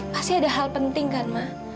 pasti ada hal penting kan mah